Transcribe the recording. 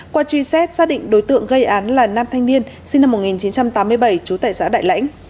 qua truy xét xác định đối tượng gây án là nam thanh niên sinh năm một nghìn chín trăm tám mươi bảy trú tại xã đại lãnh